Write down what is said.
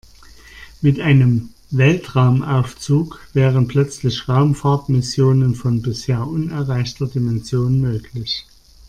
Mit einem Weltraumaufzug wären plötzlich Raumfahrtmissionen von bisher unerreichter Dimension möglich.